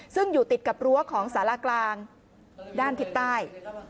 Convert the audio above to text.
ซึ่งอยู่ติดกับรั้วของสารากลางด้านทิศใต้